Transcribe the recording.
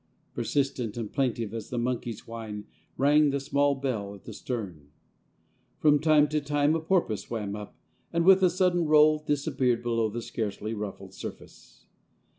Persistent and plaintive as the monkey's whine rang the small bell at the stern. From time to time a porpoise swam up, and with a sudden roll disappeared below the scarcely ruffled surface.